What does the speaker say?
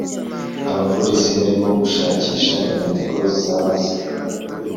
abapolisi barimo gushakisha inyandiko zabuze.